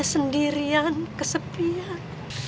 dia sendirian kesepian